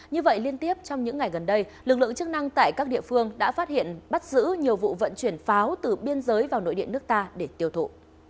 như vậy liên tiếp trong những ngày gần đây lực lượng chức năng tại các địa phương đã phát hiện bắt giữ nhiều vụ vận chuyển pháo từ biên giới vào nội địa nước ta để tiêu thụ